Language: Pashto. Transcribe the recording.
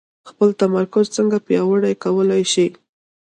خپل تمرکز څنګه پياوړی کولای شئ؟